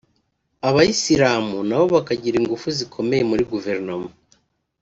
abayisiramu nabo bakagira ingufu zikomeye muri Guverinoma